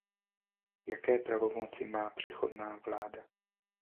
Jaké pravomoci má přechodná vláda?